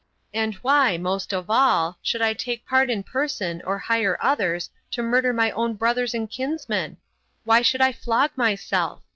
And why, most of all, should I take part in person or hire others to murder my own brothers and kinsmen? Why should I flog myself?